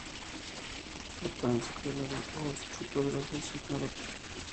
Preparan secuela de "Oz el poderoso" sin "Dorothy".